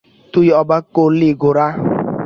তুই অবাক করলি গোরা!